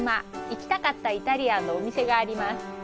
行きたかったイタリアンのお店があります。